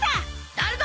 誰だ？